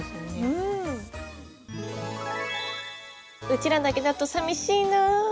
「うちらだけだとさみしいなぁ。